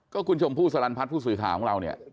ก็คุณชมผู้สรรพัฐผู้สื่อขาของเรา